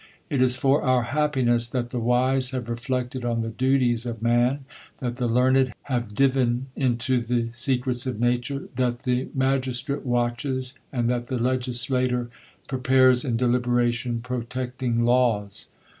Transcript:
It is for our happiness, that; the wise have reflected on the duties of man ; that the i'! learned have diven into the secrets of nature ; that the ^ magistrate watches, and that the legislator prepares in ^ deliberation protecting laws.